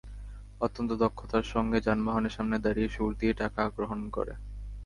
অত্যন্ত দক্ষতার সঙ্গে যানবাহনের সামনে দাঁড়িয়ে শুঁড় দিয়ে টাকা গ্রহণ করে।